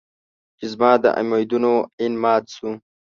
چې زما د امېدونو ائين مات شو